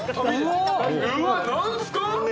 うわっ何ですか？